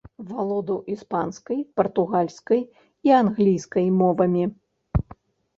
Валодаў іспанскай, партугальскай і англійскай мовамі.